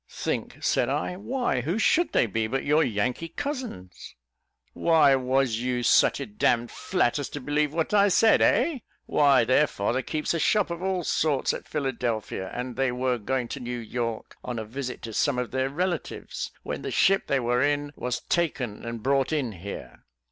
"Think!" said I, "why, who should they be but your Yankee cousins?" "Why, was you such a d d flat as to believe what I said, eh? Why, their father keeps a shop of all sorts at Philadelphia, and they were going to New York, on a visit to some of their relatives, when the ship they were in was taken and brought in here."